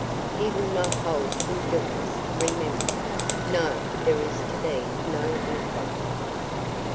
He will not hold him guiltless, remember. No, there is to be no inquiry."